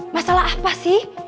masalah apa sih